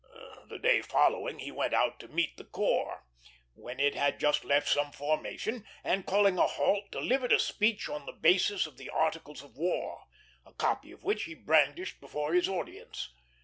The day following he went out to meet the corps, when it had just left some formation, and, calling a halt, delivered a speech on the basis of the Articles of War, a copy of which he brandished before his audience.